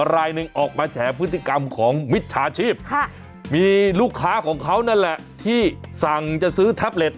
รายหนึ่งออกมาแฉพฤติกรรมของมิจฉาชีพมีลูกค้าของเขานั่นแหละที่สั่งจะซื้อแท็บเล็ต